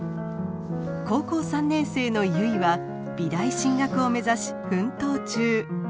高校３年生の結は美大進学を目指し奮闘中。